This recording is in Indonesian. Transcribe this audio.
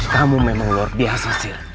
kamu memang luar biasa